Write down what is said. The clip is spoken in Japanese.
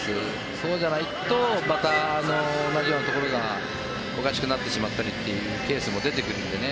そうじゃないとまた同じようなところがおかしくなってしまったりというケースも出てくるのでね。